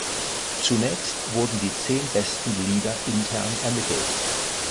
Zunächst wurden die zehn besten Lieder intern ermittelt.